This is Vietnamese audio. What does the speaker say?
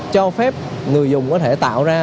cho phép người dùng có thể tạo ra